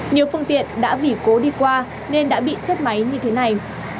nhiều phương tiện đã vỉ cố đi qua nên đã bị chất máy như thế này